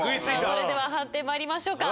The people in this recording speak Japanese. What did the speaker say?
それでは判定まいりましょうか。